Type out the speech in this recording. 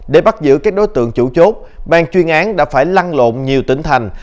để bắt giữ các đối tượng chủ chốt bàn chuyên án đã phải lăn lộn nhiều tỉnh thành